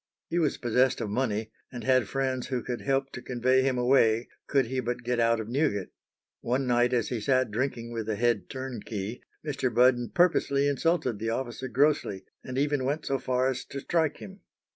He was possessed of money, and had friends who could help to convey him away could he but get out of Newgate. One night as he sat drinking with the head turnkey, Mr. Budden purposely insulted the officer grossly, and even went so far as to strike him.